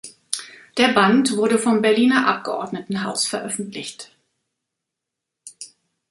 Der Band wurde vom Berliner Abgeordnetenhaus veröffentlicht.